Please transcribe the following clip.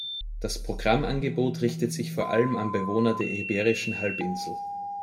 Das Programmangebot richtet sich vor allem an Bewohner der Iberischen Halbinsel.